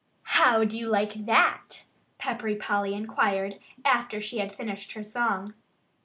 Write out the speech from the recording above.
"How do you like that?" Peppery Polly inquired, after she had finished her song.